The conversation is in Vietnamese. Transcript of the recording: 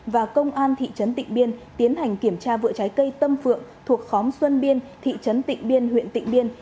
và công an thị trấn tịnh biên tiến hành kiểm tra vựa trái cây tâm phượng thuộc khóm xuân biên thị trấn tịnh biên huyện tịnh biên